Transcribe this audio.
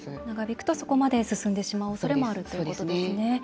長引くとそこまで進んでしまうおそれもあるということですね。